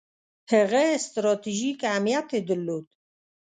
هغه ستراتیژیک اهمیت یې درلود.